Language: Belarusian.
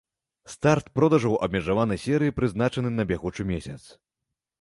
Старт продажаў абмежаванай серыі прызначаны на бягучы месяц.